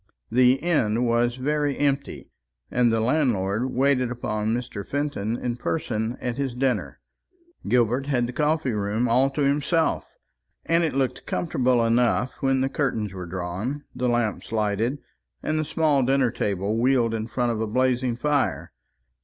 The inn was very empty, and the landlord waited upon Mr. Fenton in person at his dinner. Gilbert had the coffee room all to himself, and it looked comfortable enough when the curtains were drawn, the lamps lighted, and the small dinner table wheeled in front of a blazing fire.